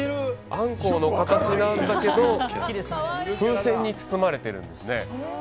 アンコウの形なんだけど風船に包まれているんですね。